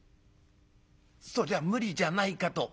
「そりゃ無理じゃないかと」。